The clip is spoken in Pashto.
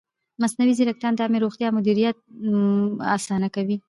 مصنوعي ځیرکتیا د عامې روغتیا مدیریت اسانه کوي.